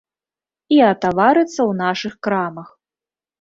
І атаварыцца ў нашых крамах.